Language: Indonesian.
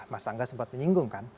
mas angga sempat menyinggungkan